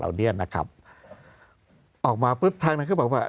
เนี้ยนะครับออกมาปุ๊บทางนั้นก็บอกว่า